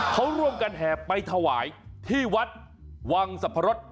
เขาร่วมกันแห่ไปถวายที่วัดวังสรรพรส